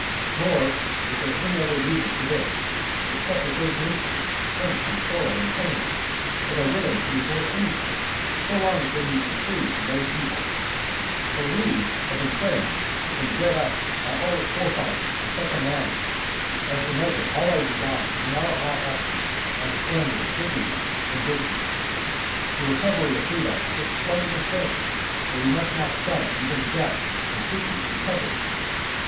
Nor is there any other reason for this, except that those nations shrink from toil and pain, and are willing to endure anything so long as they may be free from those evils, but we have been trained and bred up by our forefathers in such a manner, as to measure all our designs and all our actions by the standard of dignity and virtue. The recovery of freedom is so splendid a thing that we must not shun even death when seeking to recover it.